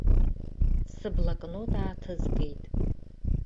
Сыблокнот ааҭызгеит.